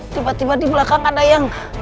tiba tiba dibelakang ada yang